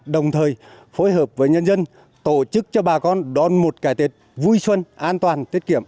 đồng thời phối hợp với nhân dân tổ chức cho bà con đón một cái tết vui xuân an toàn tiết kiệm